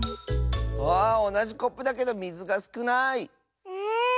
あおなじコップだけどみずがすくない！